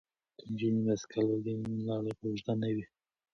که نجونې بایسکل ولري نو لاره به اوږده نه وي.